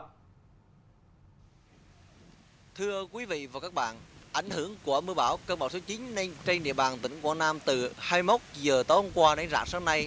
thưa quý vị và các bạn ảnh hưởng của mưa bão cơn bão số chín trên địa bàn tỉnh quảng nam từ hai mốc giờ tối hôm qua đến rạng sáng nay